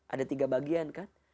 ada tiga bagian kan